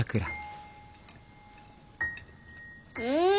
うん！